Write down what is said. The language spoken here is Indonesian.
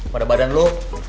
pada badan lu